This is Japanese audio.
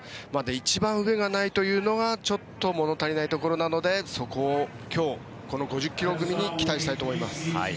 一番上がないというのがちょっと物足りないところなのでそこを今日、この５０ｋｍ組に期待したいと思います。